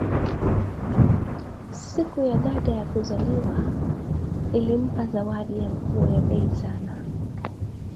Siku ya dada ya kuzaliwa balimupa zawadi ya nguo ya bei sana